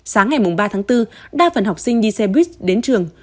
sáng ngày ba tháng bốn đa phần học sinh đi xe buýt đến trường